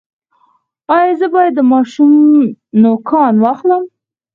ایا زه باید د ماشوم نوکان واخلم؟